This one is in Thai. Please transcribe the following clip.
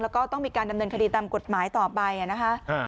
แล้วก็ต้องมีการดำเนินคดีตามกฎหมายต่อไปนะคะ